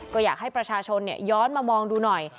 ก็อยากให้ประชาชนย้อนมามองดูหน่อย